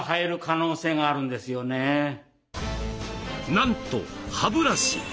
なんと歯ブラシ！